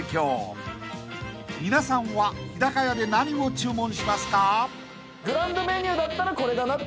［皆さんは日高屋で何を注文しますか？］